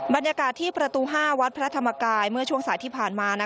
บรรยากาศที่ประตู๕วัดพระธรรมกายเมื่อช่วงสายที่ผ่านมา